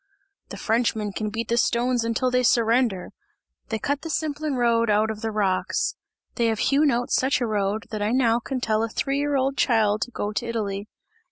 "The Frenchmen can beat the stones until they surrender! they cut the Simplon road out of the rocks they have hewn out such a road, that I now can tell a three year old child to go to Italy!